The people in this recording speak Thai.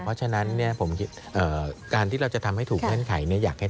เพราะฉะนั้นการที่เราจะทำถูกเงื่อนไข